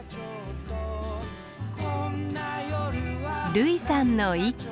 類さんの一句。